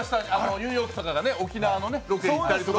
ニューヨークとかがね、沖縄のロケ行ったりとか。